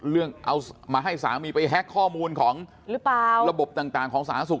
เอามาให้สามีไปแฮกข้อมูลของระบบต่างของสาธารณสุข